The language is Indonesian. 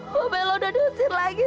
mama ella udah diusir lagi